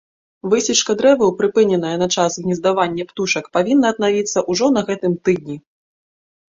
Высечка дрэваў, прыпыненая на час гнездавання птушак, павінна аднавіцца ўжо на гэтым тыдні.